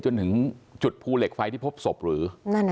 จนถึงจุดภูเหล็กไฟที่พบศพหรือ